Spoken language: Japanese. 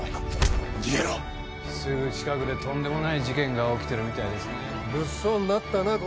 すぐ近くでとんでもない事件が起きてるみたいですね。